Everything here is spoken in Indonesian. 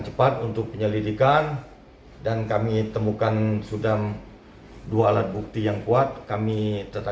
cepat untuk penyelidikan dan kami temukan sudah dua alat bukti yang kuat kami tetap